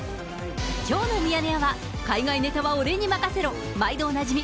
きょうのミヤネ屋は、海外ネタは俺に任せろ、毎度おなじみ